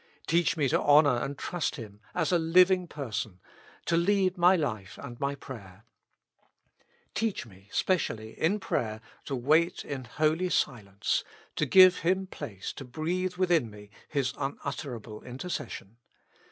Teach me to honor and trust Him, as a living Person, to lead my life and my prayer. Teach me specially in prayer to wait in holy silence, and give Him place to breathe within me His unutterable in tercession.